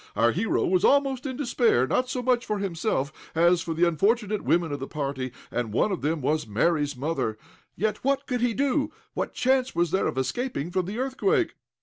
Our hero was almost in despair, not so much for himself, as for the unfortunate women of the party and one of them was Mary's mother! Yet what could he do? What chance was there of escaping from the earthquake?